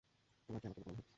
তোমার কী আমাকে বোকা মনে হয়?